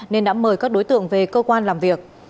nên đã mời các đối tượng về cơ quan làm việc